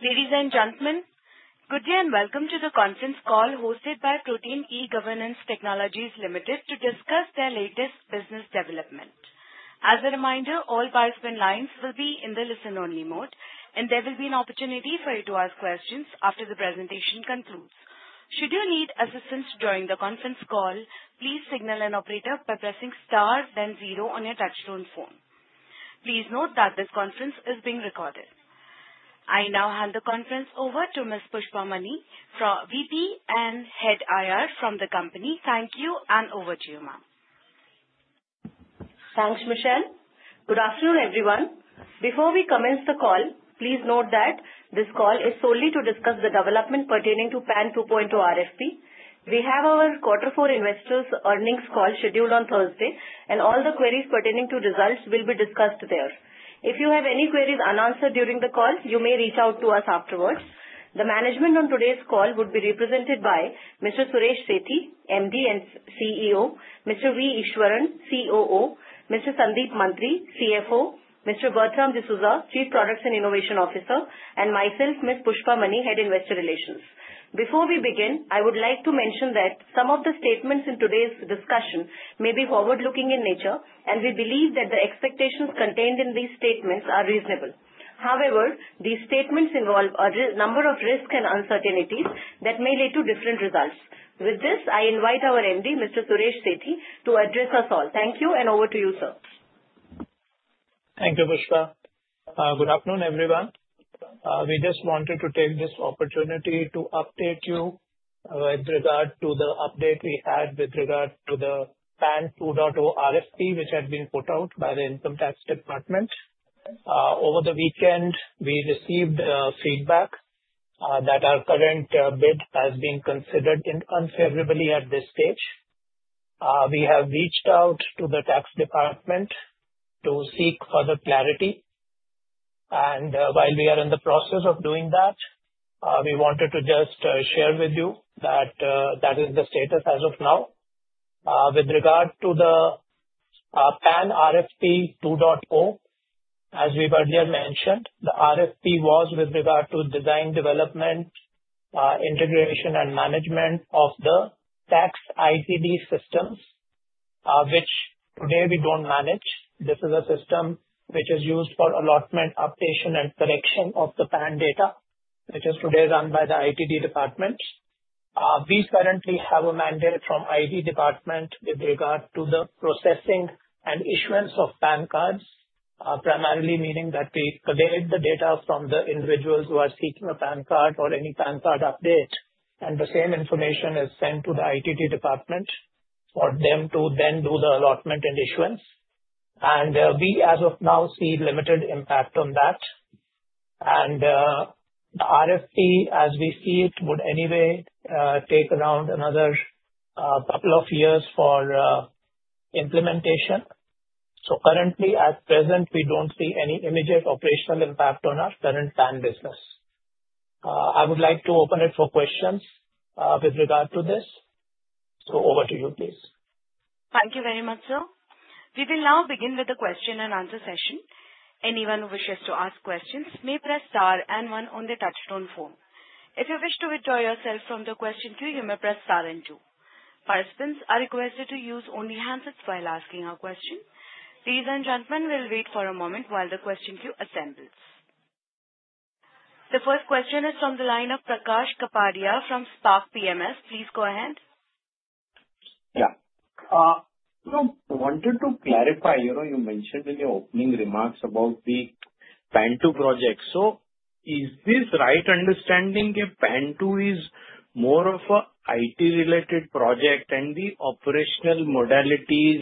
Ladies and gentlemen, good day and welcome to the conference call hosted by Protean eGov Technologies Limited to discuss their latest business development. As a reminder, all participant lines will be in the listen-only mode, and there will be an opportunity for you to ask questions after the presentation concludes. Should you need assistance during the conference call, please signal an operator by pressing star, then zero on your touch-tone phone. Please note that this conference is being recorded. I now hand the conference over to Ms. Pushpa Mani, VP and Head IR from the company. Thank you, and over to you, ma'am. Thanks, Michelle. Good afternoon, everyone. Before we commence the call, please note that this call is solely to discuss the development pertaining to PAN 2.0 RFP. We have our quarter four investors' earnings call scheduled on Thursday, and all the queries pertaining to results will be discussed there. If you have any queries unanswered during the call, you may reach out to us afterwards. The management on today's call would be represented by Mr. Suresh Sethi, MD and CEO; Mr. V. Ishwaran, COO; Mr. Sandeep Mantri, CFO; Mr. Bertram D'Souza, Chief Products and Innovation Officer; and myself, Ms. Pushpa Mani, Head Investor Relations. Before we begin, I would like to mention that some of the statements in today's discussion may be forward-looking in nature, and we believe that the expectations contained in these statements are reasonable. However, these statements involve a number of risks and uncertainties that may lead to different results. With this, I invite our MD, Mr. Suresh Sethi, to address us all. Thank you, and over to you, sir. Thank you, Pushpa. Good afternoon, everyone. We just wanted to take this opportunity to update you with regard to the update we had with regard to the PAN 2.0 RFP, which had been put out by the Income Tax Department. Over the weekend, we received feedback that our current bid has been considered unfavorably at this stage. We have reached out to the tax department to seek further clarity. While we are in the process of doing that, we wanted to just share with you that that is the status as of now. With regard to the PAN RFP 2.0, as we've earlier mentioned, the RFP was with regard to design, development, integration, and management of the tax ITD systems, which today we don't manage. This is a system which is used for allotment, updation, and correction of the PAN data, which is today run by the ITD department. We currently have a mandate from the Income Tax Department with regard to the processing and issuance of PAN cards, primarily meaning that we collect the data from the individuals who are seeking a PAN card or any PAN card update, and the same information is sent to the Income Tax Department for them to then do the allotment and issuance. We, as of now, see limited impact on that. The RFP, as we see it, would anyway take around another couple of years for implementation. Currently, at present, we do not see any immediate operational impact on our current PAN business. I would like to open it for questions with regard to this. Over to you, please. Thank you very much, sir. We will now begin with the question-and-answer session. Anyone who wishes to ask questions may press star and one on the touch-tone phone. If you wish to withdraw yourself from the question queue, you may press star and two. Participants are requested to use only handsets while asking a question. Ladies and gentlemen, we will wait for a moment while the question queue assembles. The first question is from the line of Prakash Kapadia from Spark PWM. Please go ahead. Yeah. I wanted to clarify, you know, you mentioned in your opening remarks about the PAN 2.0 project. Is this right understanding if PAN 2.0 is more of an IT-related project and the operational modalities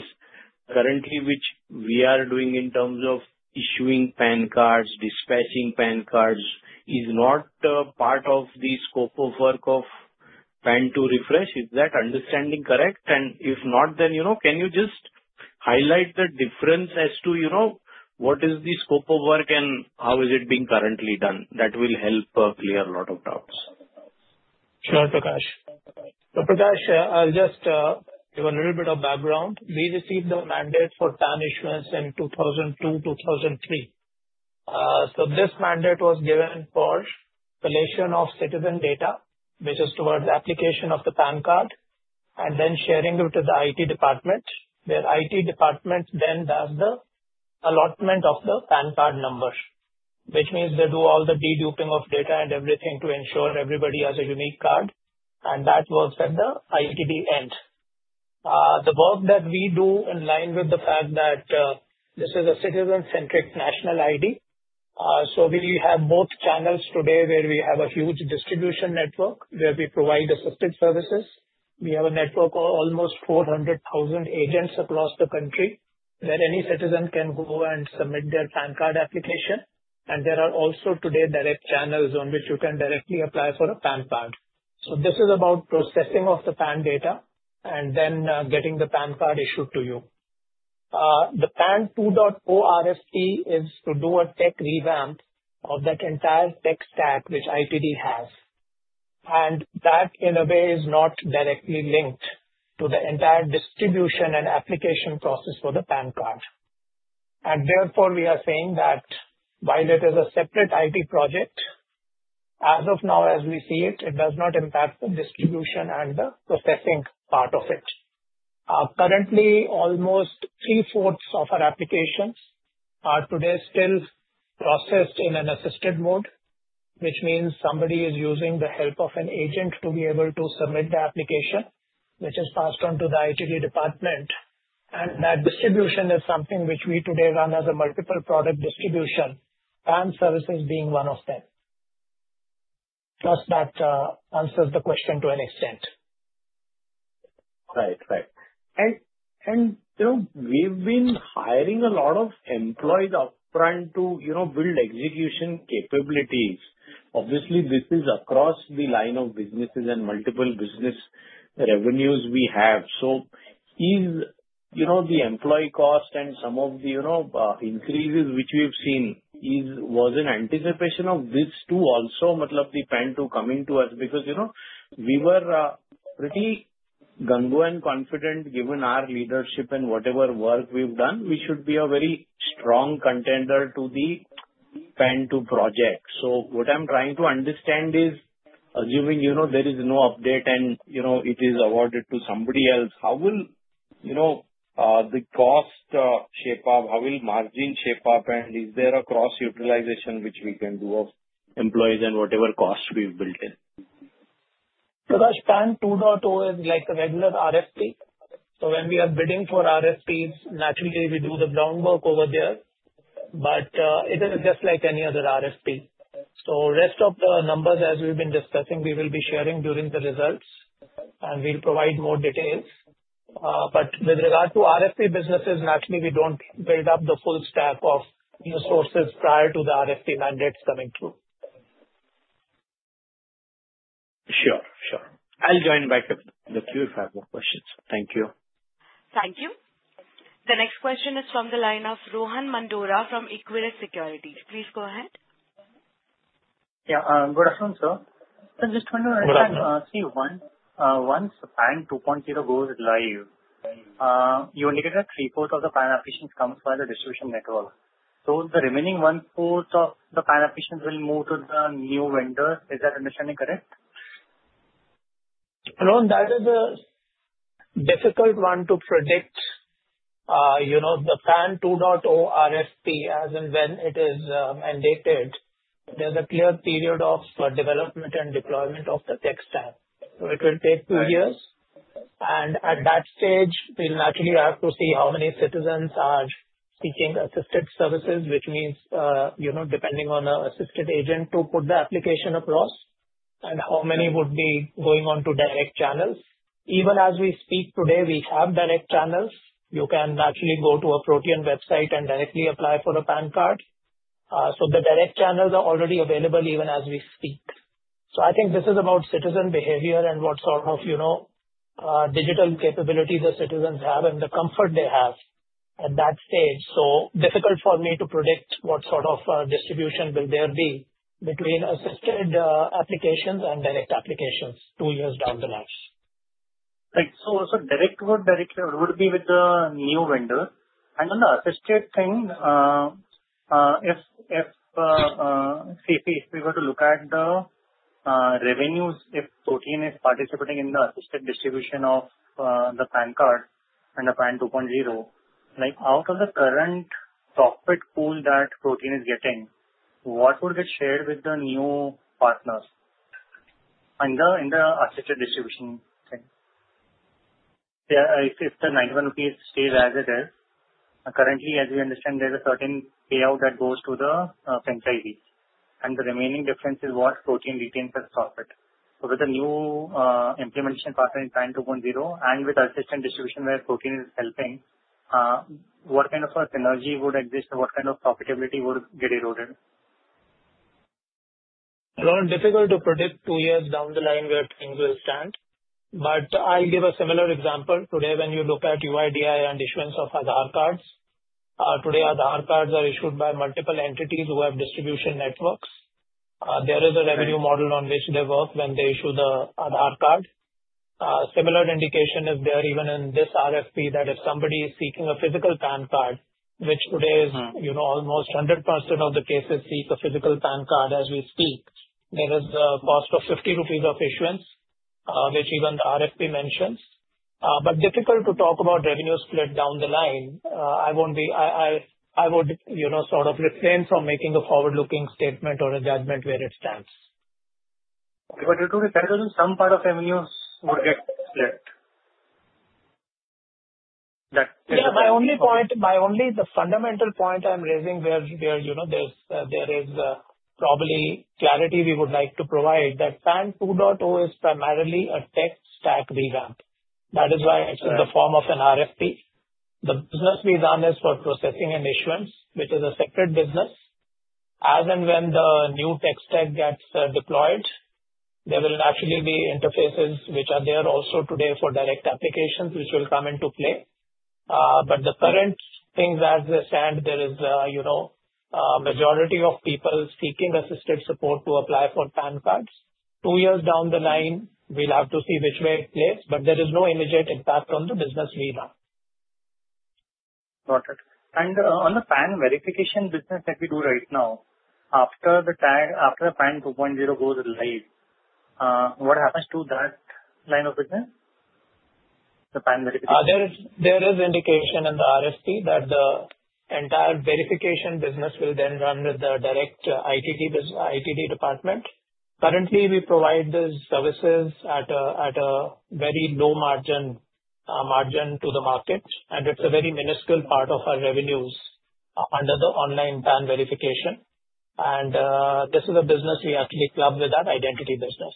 currently which we are doing in terms of issuing PAN cards, dispatching PAN cards is not part of the scope of work of PAN 2.0 Refresh? Is that understanding correct? If not, then you know, can you just highlight the difference as to, you know, what is the scope of work and how is it being currently done? That will help clear a lot of doubts. Sure, Prakash. Prakash, I'll just give a little bit of background. We received the mandate for PAN issuance in 2002, 2003. This mandate was given for collection of citizen data, which is towards the application of the PAN card, and then sharing it with the Income Tax Department, where the Income Tax Department then does the allotment of the PAN card number, which means they do all the deduping of data and everything to ensure everybody has a unique card. That was at the ITD end. The work that we do in line with the fact that this is a citizen-centric national ID, we have both channels today where we have a huge distribution network where we provide assistance services. We have a network of almost 400,000 agents across the country where any citizen can go and submit their PAN card application. There are also today direct channels on which you can directly apply for a PAN card. This is about processing of the PAN data and then getting the PAN card issued to you. The PAN 2.0 RFP is to do a tech revamp of that entire tech stack which the ITD has. That, in a way, is not directly linked to the entire distribution and application process for the PAN card. Therefore, we are saying that while it is a separate IT project, as of now, as we see it, it does not impact the distribution and the processing part of it. Currently, almost three-fourths of our applications are today still processed in an assisted mode, which means somebody is using the help of an agent to be able to submit the application, which is passed on to the Income Tax Department. That distribution is something which we today run as a multiple product distribution, PAN services being one of them. Plus, that answers the question to an extent. Right, right. You know, we've been hiring a lot of employees upfront to, you know, build execution capabilities. Obviously, this is across the line of businesses and multiple business revenues we have. Is, you know, the employee cost and some of the increases which we've seen was in anticipation of this too also, mtlb the PAN 2.0 coming to us? You know, we were pretty gung-ho and confident given our leadership and whatever work we've done, we should be a very strong contender to the PAN 2.0 project. What I'm trying to understand is, assuming, you know, there is no update and it is awarded to somebody else, how will, you know, the cost shape up? How will margin shape up? Is there a cross-utilization which we can do of employees and whatever cost we've built in? Prakash, PAN 2.0 is like a regular RFP. When we are bidding for RFPs, naturally, we do the groundwork over there. It is just like any other RFP. The rest of the numbers, as we've been discussing, we will be sharing during the results, and we'll provide more details. With regard to RFP businesses, naturally, we do not build up the full stack of new sources prior to the RFP mandates coming through. Sure, sure. I'll join back in the queue if I have more questions. Thank you. Thank you. The next question is from the line of Rohan Mandora from Equirus Securities. Please go ahead. Yeah, good afternoon, sir. Just want to see one. Once PAN 2.0 goes live, you indicated that three-fourths of the PAN applications come via the distribution network. The remaining one-fourth of the PAN applications will move to the new vendor. Is that understanding correct? Hello, that is a difficult one to predict. You know, the PAN 2.0 RFP, as in when it is mandated, there's a clear period of development and deployment of the tech stack. It will take two years. At that stage, we'll naturally have to see how many citizens are seeking assistance services, which means, you know, depending on the assistant agent to put the application across, and how many would be going on to direct channels. Even as we speak today, we have direct channels. You can actually go to a Protean website and directly apply for a PAN card. The direct channels are already available even as we speak. I think this is about citizen behavior and what sort of, you know, digital capability the citizens have and the comfort they have at that stage. Difficult for me to predict what sort of distribution will there be between assisted applications and direct applications two years down the line. Right. Direct would be with the new vendor. On the assisted thing, if we were to look at the revenues, if Protean is participating in the assisted distribution of the PAN card and the PAN 2.0, out of the current profit pool that Protean is getting, what would get shared with the new partners in the assisted distribution thing? If the 91 rupees stays as it is, currently, as we understand, there is a certain payout that goes to the franchisees, and the remaining difference is what Protean retains as profit. With the new implementation partner in PAN 2.0 and with assisted distribution where Protean is helping, what kind of a synergy would exist? What kind of profitability would get eroded? Hello, difficult to predict two years down the line where things will stand. But I'll give a similar example. Today, when you look at UIDAI and issuance of Aadhaar cards, today Aadhaar cards are issued by multiple entities who have distribution networks. There is a revenue model on which they work when they issue the Aadhaar card. Similar indication is there even in this RFP that if somebody is seeking a physical PAN card, which today is, you know, almost 100% of the cases seek a physical PAN card as we speak, there is a cost of 50 rupees of issuance, which even the RFP mentions. But difficult to talk about revenue split down the line. I won't be, I would, you know, sort of refrain from making a forward-looking statement or a judgment where it stands. You're talking some part of revenues would get split. Yeah, my only point, my only fundamental point I'm raising where, you know, there is probably clarity we would like to provide that PAN 2.0 is primarily a tech stack revamp. That is why it's in the form of an RFP. The business we run is for processing and issuance, which is a separate business. As and when the new tech stack gets deployed, there will actually be interfaces which are there also today for direct applications, which will come into play. The current things as they stand, there is, you know, a majority of people seeking assisted support to apply for PAN cards. Two years down the line, we'll have to see which way it plays, but there is no immediate impact on the business we run. Got it. On the PAN verification business that we do right now, after the PAN 2.0 goes live, what happens to that line of business, the PAN verification? There is indication in the RFP that the entire verification business will then run with the direct ITD department. Currently, we provide these services at a very low margin to the market, and it's a very minuscule part of our revenues under the online PAN verification. This is a business we actually club with that identity business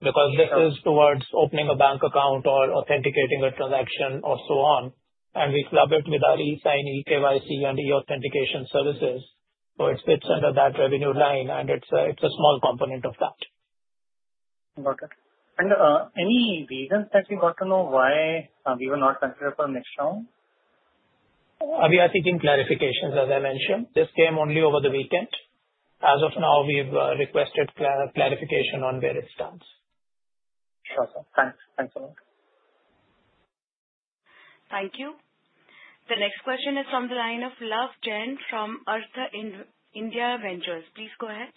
because this is towards opening a bank account or authenticating a transaction or so on. We club it with our eSign, eKYC, and eAuthentication services. It fits under that revenue line, and it's a small component of that. Got it. Any reasons that you got to know why we were not considered for the next round? We are seeking clarifications, as I mentioned. This came only over the weekend. As of now, we've requested clarification on where it stands. Sure, sir. Thanks. Thanks a lot. Thank you. The next question is from the line of Love Jen from Artha India Ventures. Please go ahead.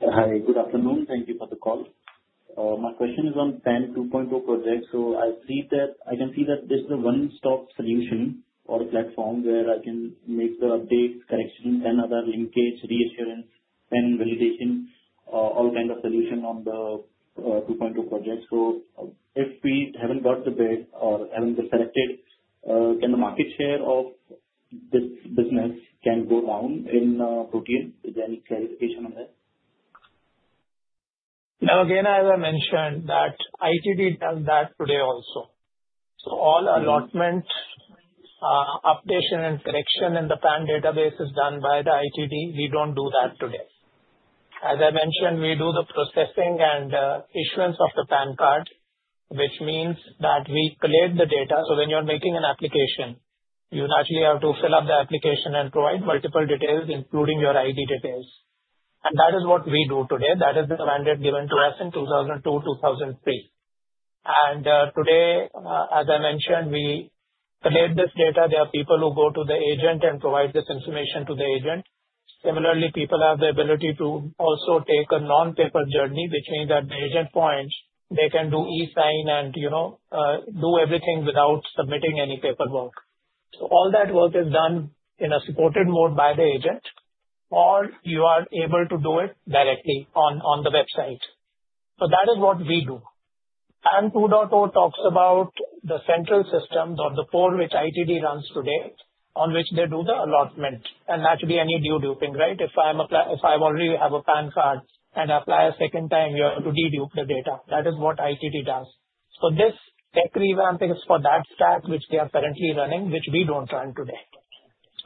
Hi, good afternoon. Thank you for the call. My question is on PAN 2.0 project. I see that this is a one-stop solution or a platform where I can make the updates, correction, PAN-Aadhaar linkage, reissuance, PAN validation, all kinds of solution on the 2.0 project. If we haven't got the bid or haven't been selected, can the market share of this business go down in Protean? Is there any clarification on that? Now, again, as I mentioned, that ITD does that today also. All allotment, updation, and correction in the PAN database is done by the ITD. We do not do that today. As I mentioned, we do the processing and issuance of the PAN card, which means that we collate the data. When you are making an application, you naturally have to fill up the application and provide multiple details, including your ID details. That is what we do today. That is the mandate given to us in 2002, 2003. Today, as I mentioned, we collate this data. There are people who go to the agent and provide this information to the agent. Similarly, people have the ability to also take a non-paper journey, which means at the agent point, they can do eSign and, you know, do everything without submitting any paperwork. All that work is done in a supported mode by the agent, or you are able to do it directly on the website. That is what we do. PAN 2.0 talks about the central system or the core which the ITD runs today on which they do the allotment. That should be any deduping, right? If I already have a PAN card and apply a second time, you have to dedupe the data. That is what the ITD does. This tech revamp is for that stack which they are currently running, which we do not run today.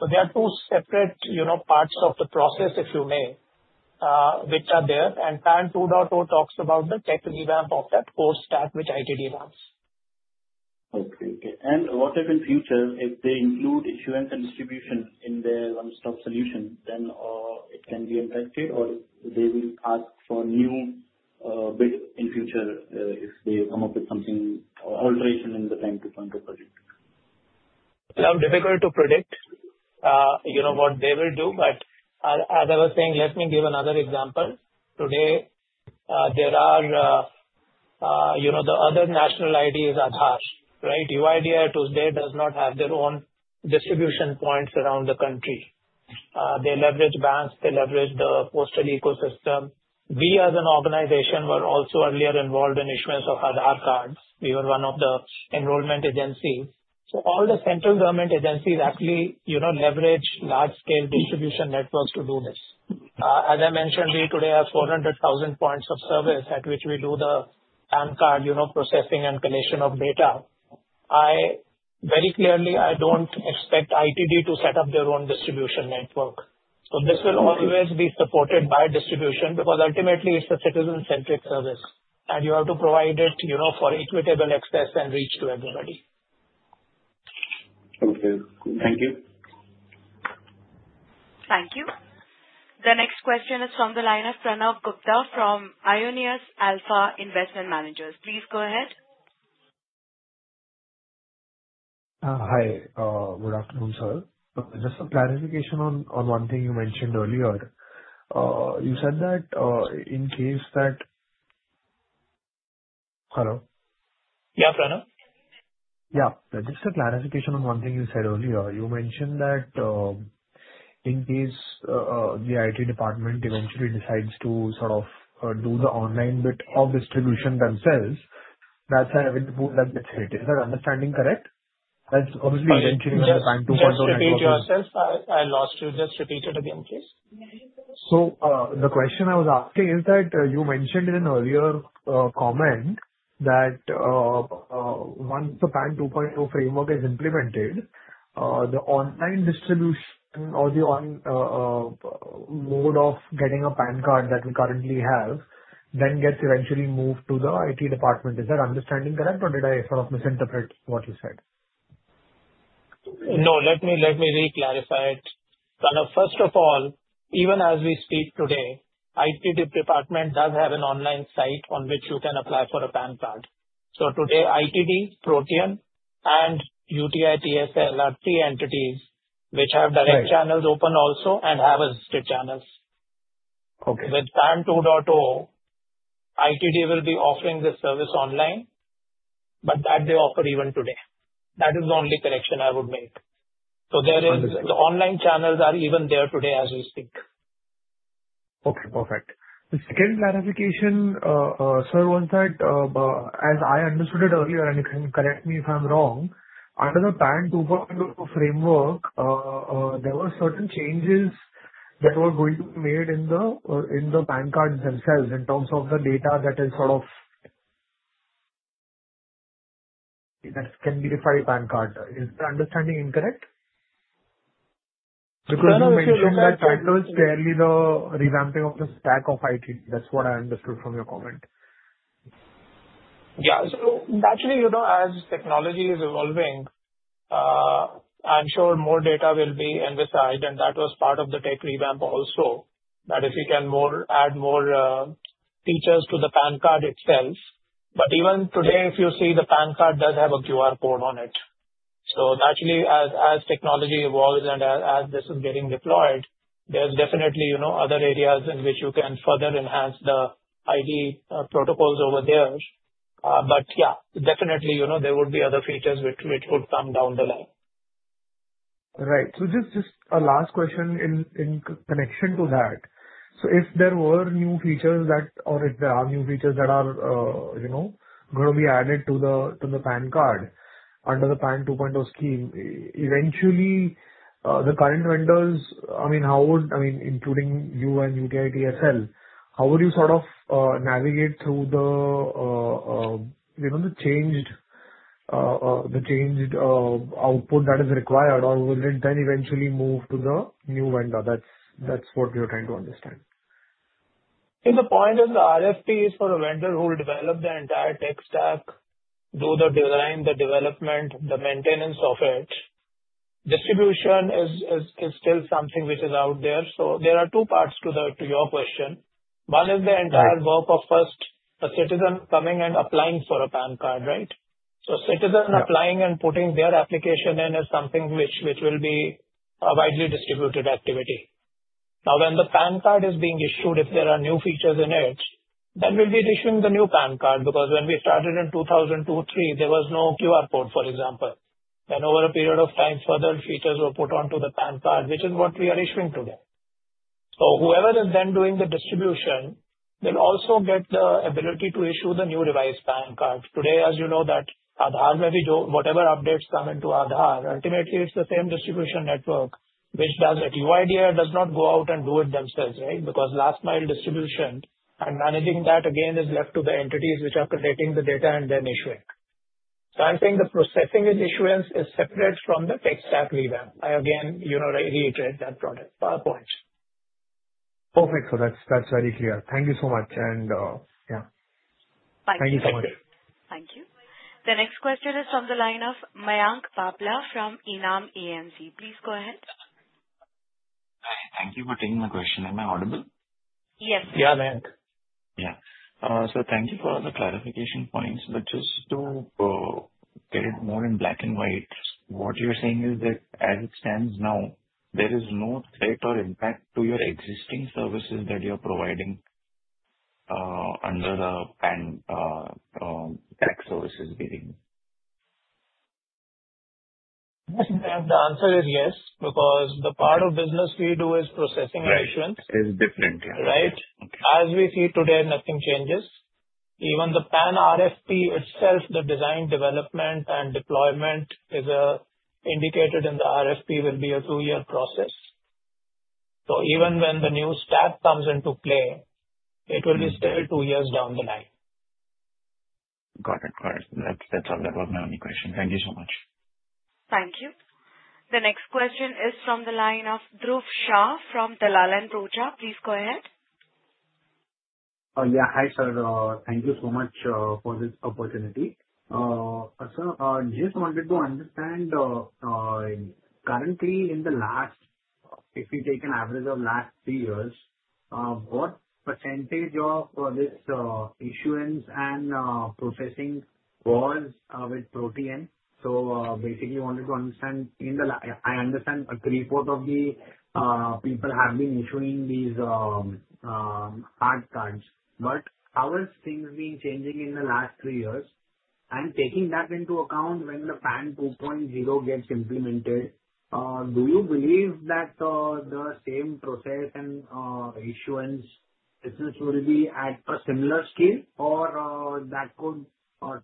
There are two separate, you know, parts of the process, if you may, which are there. PAN 2.0 talks about the tech revamp of that core stack which the ITD runs. Okay, okay. What if in future, if they include issuance and distribution in their one-stop solution, then it can be impacted, or they will ask for new bid in future if they come up with something or alteration in the PAN 2.0 project? Difficult to predict, you know, what they will do. But as I was saying, let me give another example. Today, there are, you know, the other national ID is Aadhaar, right? UIDAI to this day does not have their own distribution points around the country. They leverage banks. They leverage the postal ecosystem. We, as an organization, were also earlier involved in issuance of Aadhaar cards. We were one of the enrollment agencies. So all the central government agencies actually, you know, leverage large-scale distribution networks to do this. As I mentioned, we today have 400,000 points of service at which we do the PAN card, you know, processing and collation of data. Very clearly, I do not expect the ITD to set up their own distribution network. This will always be supported by distribution because ultimately, it's a citizen-centric service, and you have to provide it, you know, for equitable access and reach to everybody. Okay. Thank you. Thank you. The next question is from the line of Pranav Gupta from Aionios Alpha Investment Management. Please go ahead. Hi, good afternoon, sir. Just a clarification on one thing you mentioned earlier. You said that in case that hello? Yeah, Pranav? Yeah. Just a clarification on one thing you said earlier. You mentioned that in case the IT department eventually decides to sort of do the online bit of distribution themselves, that's a revenue pool that gets hit. Is that understanding correct? That's obviously eventually when the PAN 2.0 network. Can you repeat yourself? I lost you. Just repeat it again, please. The question I was asking is that you mentioned in an earlier comment that once the PAN 2.0 framework is implemented, the online distribution or the mode of getting a PAN card that we currently have then gets eventually moved to the Income Tax Department. Is that understanding correct, or did I sort of misinterpret what you said? No, let me reclarify it. Pranav, first of all, even as we speak today, Income Tax Department does have an online site on which you can apply for a PAN card. So today, ITD, Protean, and UTI Infrastructure Technology And Services Limited are three entities which have direct channels open also and have assisted channels. With PAN 2.0, ITD will be offering this service online, but that they offer even today. That is the only correction I would make. There is the online channels are even there today as we speak. Okay, perfect. The second clarification, sir, was that as I understood it earlier, and you can correct me if I'm wrong, under the PAN 2.0 framework, there were certain changes that were going to be made in the PAN cards themselves in terms of the data that is sort of that can be defined PAN card. Is the understanding incorrect? Because you mentioned that that was clearly the revamping of the stack of ITD. That's what I understood from your comment. Yeah. So naturally, you know, as technology is evolving, I'm sure more data will be emphasized, and that was part of the tech revamp also, that if you can add more features to the PAN card itself. Even today, if you see, the PAN card does have a QR code on it. Naturally, as technology evolves and as this is getting deployed, there's definitely, you know, other areas in which you can further enhance the ID protocols over there. Yeah, definitely, you know, there would be other features which would come down the line. Right. Just a last question in connection to that. If there were new features that, or if there are new features that are, you know, going to be added to the PAN card under the PAN 2.0 scheme, eventually the current vendors, I mean, how would, I mean, including you and UTIITSL, how would you sort of navigate through the, you know, the changed output that is required, or will it then eventually move to the new vendor? That is what we are trying to understand. See, the point is the RFP is for a vendor who will develop the entire tech stack, do the design, the development, the maintenance of it. Distribution is still something which is out there. There are two parts to your question. One is the entire work of first a citizen coming and applying for a PAN card, right? A citizen applying and putting their application in is something which will be a widely distributed activity. Now, when the PAN card is being issued, if there are new features in it, then we will be issuing the new PAN card because when we started in 2002, 2003, there was no QR code, for example. Over a period of time, further features were put onto the PAN card, which is what we are issuing today. Whoever is then doing the distribution, they'll also get the ability to issue the new revised PAN card. Today, as you know, that Aadhaar, where we do whatever updates come into Aadhaar, ultimately it's the same distribution network which does it. UIDAI does not go out and do it themselves, right? Because last mile distribution and managing that again is left to the entities which are collating the data and then issuing. I'm saying the processing and issuance is separate from the tech stack revamp. I, again, you know, reiterate that point. Perfect. That's very clear. Thank you so much. Yeah. Thank you so much. Thank you. The next question is from the line of Mayank Babla from Enam AMC. Please go ahead. Hi. Thank you for taking my question. Am I audible? Yes. Yeah, Mayank. Yeah. Thank you for all the clarification points. Just to get it more in black and white, what you're saying is that as it stands now, there is no threat or impact to your existing services that you're providing under the PAN tech services? The answer is yes because the part of business we do is processing and issuance. Right. Is different, yeah. Right? As we see today, nothing changes. Even the PAN RFP itself, the design, development, and deployment as indicated in the RFP will be a two-year process. So even when the new stack comes into play, it will be still two years down the line. Got it. All right. That's all. That was my only question. Thank you so much. Thank you. The next question is from the line of Dhruv Shah from Dalal & Broacha. Please go ahead. Yeah. Hi, sir. Thank you so much for this opportunity. Sir, I just wanted to understand currently in the last, if we take an average of the last three years, what percentage of this issuance and processing was with Protean? So basically, I wanted to understand in the last, I understand a report of the people have been issuing these hard cards. How have things been changing in the last three years? Taking that into account, when the PAN 2.0 gets implemented, do you believe that the same process and issuance business will be at a similar scale, or that could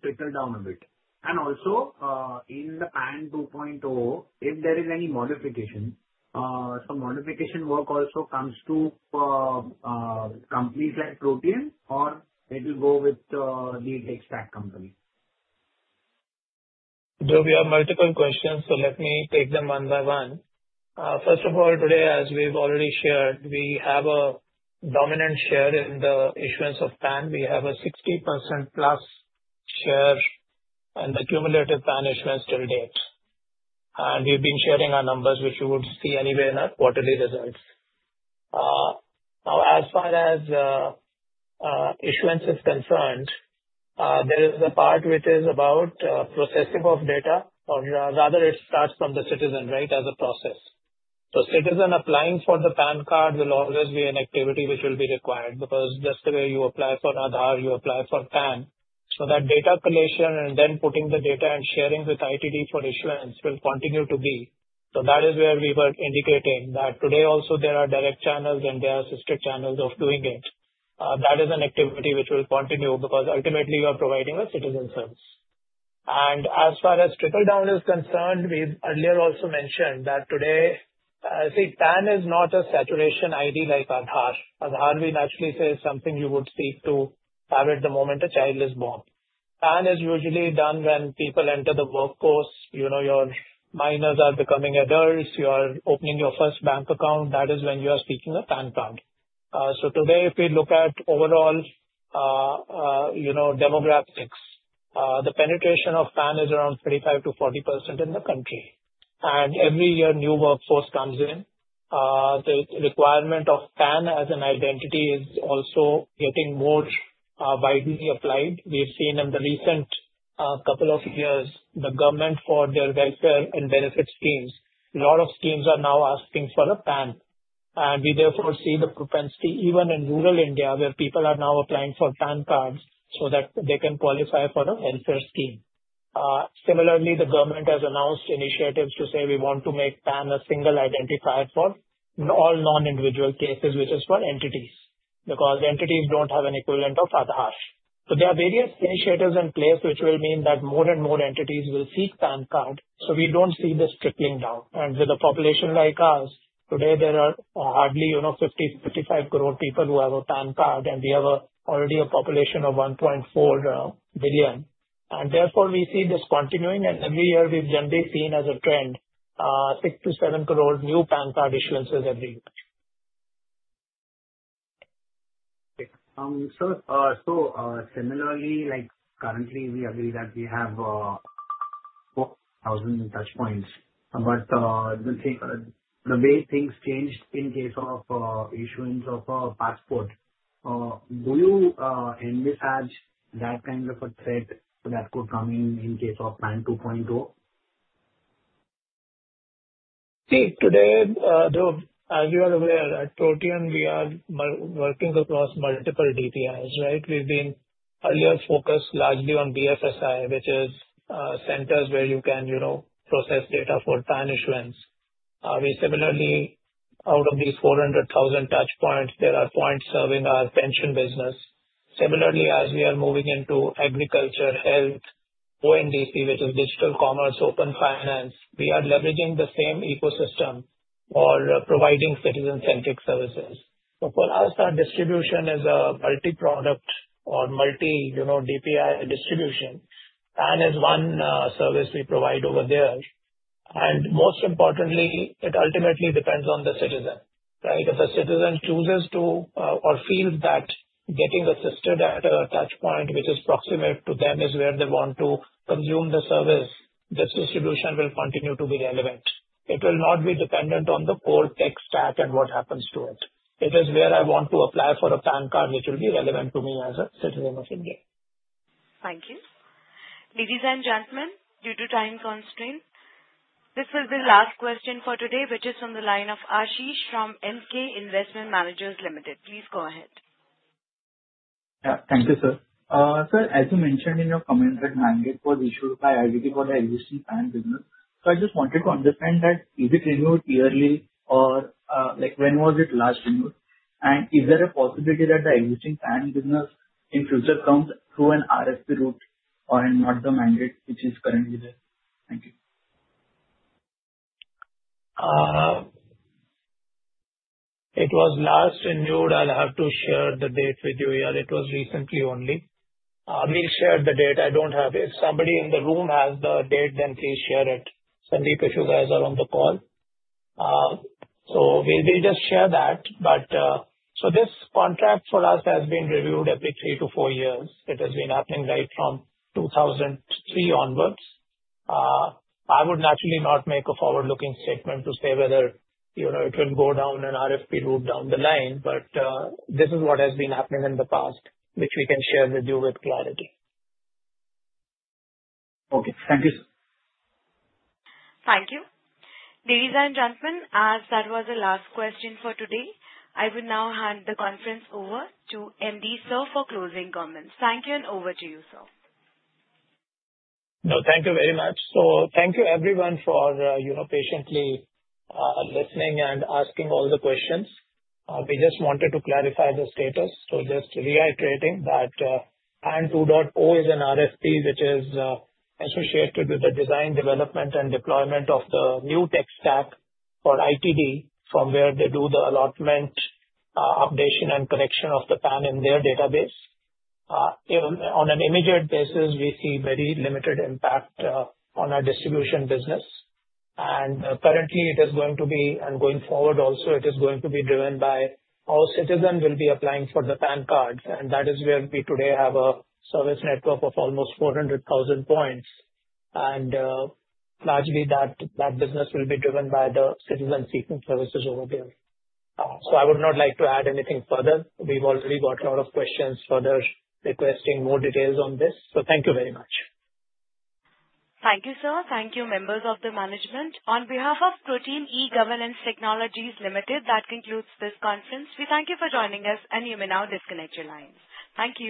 trickle down a bit? Also, in the PAN 2.0, if there is any modification, some modification work also comes to companies like Protean, or it will go with the tech stack company? Dhruv, you have multiple questions, so let me take them one by one. First of all, today, as we've already shared, we have a dominant share in the issuance of PAN. We have a 60%+ share in the cumulative PAN issuance till date. And we've been sharing our numbers, which you would see anywhere in our quarterly results. Now, as far as issuance is concerned, there is a part which is about processing of data, or rather it starts from the citizen, right, as a process. So citizen applying for the PAN card will always be an activity which will be required because just the way you apply for Aadhaar, you apply for PAN. So that data collation and then putting the data and sharing with ITD for issuance will continue to be. That is where we were indicating that today also there are direct channels and there are assisted channels of doing it. That is an activity which will continue because ultimately you are providing a citizen service. As far as trickle down is concerned, we earlier also mentioned that today, I see PAN is not a saturation ID like Aadhaar. Aadhaar, we naturally say, is something you would speak to have at the moment a child is born. PAN is usually done when people enter the workforce. You know, your minors are becoming adults. You are opening your first bank account. That is when you are speaking of PAN card. If we look at overall, you know, demographics, the penetration of PAN is around 35%-40% in the country. Every year new workforce comes in. The requirement of PAN as an identity is also getting more widely applied. We've seen in the recent couple of years, the government for their welfare and benefit schemes, a lot of schemes are now asking for a PAN. We therefore see the propensity even in rural India where people are now applying for PAN cards so that they can qualify for a welfare scheme. Similarly, the government has announced initiatives to say we want to make PAN a single identifier for all non-individual cases, which is for entities because entities don't have an equivalent of Aadhaar. There are various initiatives in place which will mean that more and more entities will seek PAN card. We don't see this trickling down. With a population like ours, today there are hardly, you know, 50-55 crore people who have a PAN card, and we have already a population of 1.4 billion. Therefore, we see this continuing. Every year we've generally seen as a trend, 6-7 crore new PAN card issuances every year. Sir, so similarly, like currently we agree that we have 4,000 touch points. But the way things changed in case of issuance of a passport, do you envisage that kind of a threat that could come in in case of PAN 2.0? See, today, Dhruv, as you are aware, at Protean we are working across multiple DPIs, right? We've been earlier focused largely on BFSI, which is centers where you can, you know, process data for PAN issuance. Similarly, out of these 400,000 touch points, there are points serving our pension business. Similarly, as we are moving into agriculture, health, ONDC, which is digital commerce, open finance, we are leveraging the same ecosystem for providing citizen-centric services. For us, our distribution is a multi-product or multi, you know, DPI distribution. PAN is one service we provide over there. Most importantly, it ultimately depends on the citizen, right? If a citizen chooses to or feels that getting assisted at a touch point, which is proximate to them, is where they want to consume the service, this distribution will continue to be relevant. It will not be dependent on the core tech stack and what happens to it. It is where I want to apply for a PAN card, which will be relevant to me as a citizen of India. Thank you. Ladies and gentlemen, due to time constraint, this will be the last question for today, which is from the line of Ashish from Emkay Investment Managers Limited. Please go ahead. Yeah, thank you, sir. Sir, as you mentioned in your comment that mandate was issued by Income Tax Department for the existing PAN business. I just wanted to understand, is it renewed yearly or, like, when was it last renewed? Is there a possibility that the existing PAN business in future comes through an RFP route and not the mandate which is currently there? Thank you. It was last renewed. I'll have to share the date with you here. It was recently only. I will share the date. I don't have it. If somebody in the room has the date, then please share it. Sandeep, if you guys are on the call. We'll just share that. This contract for us has been reviewed every three to four years. It has been happening right from 2003 onwards. I would naturally not make a forward-looking statement to say whether, you know, it will go down an RFP route down the line, but this is what has been happening in the past, which we can share with you with clarity. Okay. Thank you, sir. Thank you. Ladies and gentlemen, as that was the last question for today, I will now hand the conference over to MD Sir for closing comments. Thank you and over to you, sir. No, thank you very much. Thank you everyone for, you know, patiently listening and asking all the questions. We just wanted to clarify the status. Just reiterating that PAN 2.0 is an RFP which is associated with the design, development, and deployment of the new tech stack for the Income Tax Department from where they do the allotment, updation, and correction of the PAN in their database. On an immediate basis, we see very limited impact on our distribution business. Currently, it is going to be, and going forward also, it is going to be driven by all citizens applying for the PAN cards. That is where we today have a service network of almost 400,000 points. Largely, that business will be driven by the citizen-seeking services over there. I would not like to add anything further. We've already got a lot of questions further requesting more details on this. Thank you very much. Thank you, sir. Thank you, members of the management. On behalf of Protean eGov Technologies Limited, that concludes this conference. We thank you for joining us, and you may now disconnect your lines. Thank you.